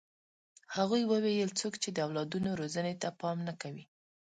هغوی وویل څوک چې د اولادونو روزنې ته پام نه کوي.